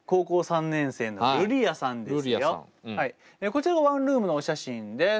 こちらワンルームのお写真です。